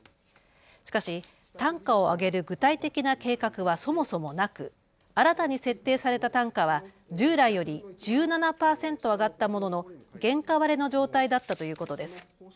しかし単価を上げる具体的な計画はそもそもなく新たに設定された単価は従来より１７％上がったものの原価割れの状態だったということです。